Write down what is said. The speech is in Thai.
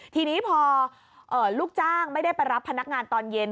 ทีนี้พอลูกจ้างไม่ได้ไปรับพนักงานตอนเย็น